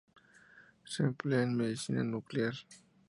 Se emplea en medicina nuclear.